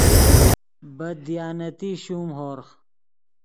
بد دیانتی شوم ہورغ